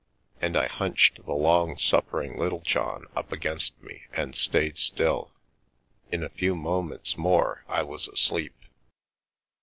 And I hunched the long suffering Littlejohn up against me and stayed still. In a few moments more I was asleep.